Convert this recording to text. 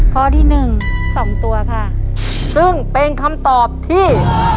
ข้อที่หนึ่งสองตัวค่ะซึ่งเป็นคำตอบที่